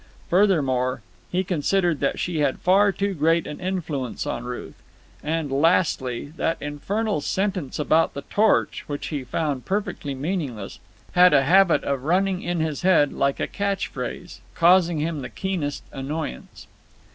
Furthermore, he considered that she had far too great an influence on Ruth. And, lastly, that infernal sentence about the torch, which he found perfectly meaningless, had a habit of running in his head like a catch phrase, causing him the keenest annoyance.